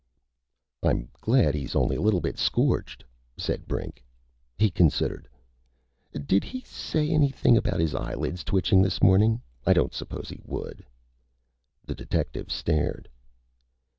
"I'm glad he's only a little bit scorched," said Brink. He considered. "Did he say anything about his eyelids twitching this morning? I don't suppose he would." The detective stared.